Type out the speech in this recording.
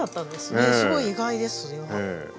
すごい意外です。